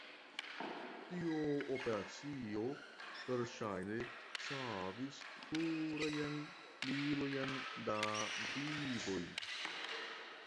Tio operacio verŝajne savis plurajn milojn da vivoj.